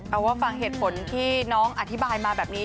เอาว่าฟังเหตุผลที่น้องอธิบายมาแบบนี้